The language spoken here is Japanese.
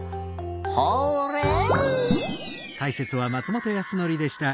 ホーレイ！